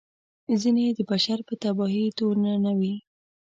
ځینې یې د بشر په تباهي تورنوي.